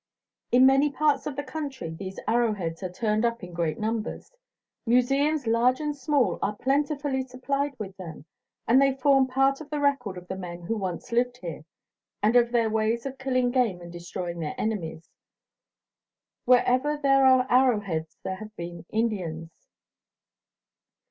In many parts of the country these arrow heads are turned up in great numbers; museums large and small are plentifully supplied with them; and they form part of the record of the men who once lived here, and of their ways of killing game and destroying their enemies. Wherever there are arrow heads there have been Indians.